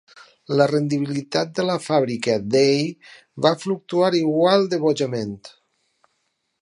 La rendibilitat de la fàbrica Day va fluctuar igual de bojament.